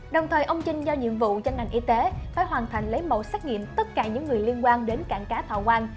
đồng thời ông trinh do nhiệm vụ doanh ngành y tế phải hoàn thành lấy mẫu xác nghiệm tất cả những người liên quan đến cảng cá thọ quang